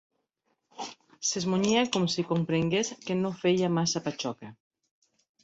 S'esmunyia com si comprengués que no feia massa patxoca